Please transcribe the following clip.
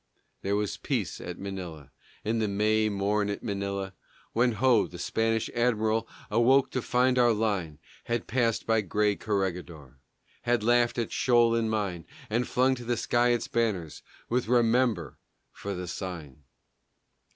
There was peace at Manila, In the May morn at Manila, When ho, the Spanish admiral Awoke to find our line Had passed by gray Corregidor, Had laughed at shoal and mine, And flung to the sky its banners With "Remember" for the sign!